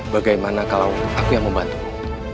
bagaimana kalau aku yang membantu